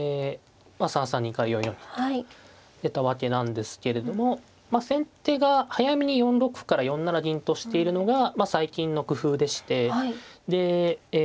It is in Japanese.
３三銀から４四銀と出たわけなんですけれども先手が早めに４六歩から４七銀としているのが最近の工夫でしてでえ